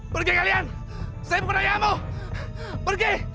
pergi kalian saya bukan ayahmu pergi